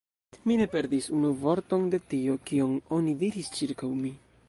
Mi ne perdis unu vorton de tio, kion oni diris ĉirkaŭ mi.